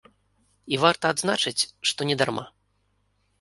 І варта адзначыць, што не дарма.